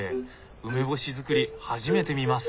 梅干し作り初めて見ます！